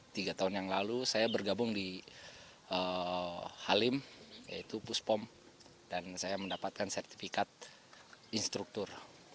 tiga tahun yang lalu saya bergabung di halim yaitu puspom dan saya mendapatkan sertifikat instruktur